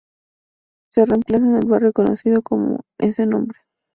Se emplaza en el barrio conocido con ese nombre.